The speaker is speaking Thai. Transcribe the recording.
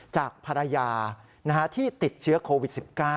จากภรรยาที่ติดเชื้อโควิด๑๙